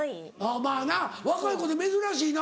まぁな若い子で珍しいな。